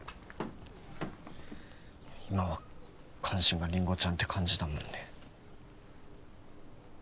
今は関心がりんごちゃんって感じだもんね